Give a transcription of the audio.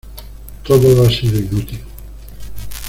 Todo ha sido inútil.